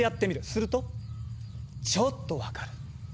するとちょっと分かる。